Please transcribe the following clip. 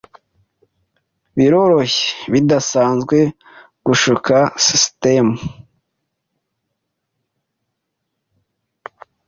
Biroroshye bidasanzwe gushuka sisitemu.